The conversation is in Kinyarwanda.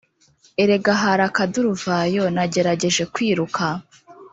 erega hari akaduruvayo nagerageje kwiruka